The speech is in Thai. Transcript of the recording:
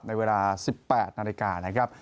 ในเวลา๑๘นาฬิกานะครับ